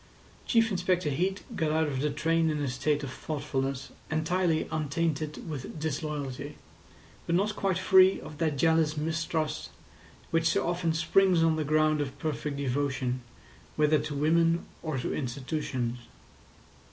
Chief Inspector Heat got out of the train in a state of thoughtfulness entirely untainted with disloyalty, but not quite free of that jealous mistrust which so often springs on the ground of perfect devotion, whether to women or to institutions.